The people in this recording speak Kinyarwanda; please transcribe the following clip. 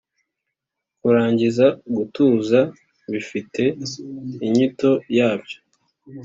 kurangiza gutuza bifite inyito yabyo